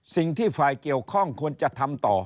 สิ่งที่ฝ่ายเกี่ยวข้องควรจะทำต่อ